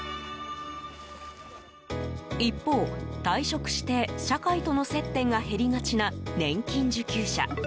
一方、退職して社会との接点が減りがちな年金受給者。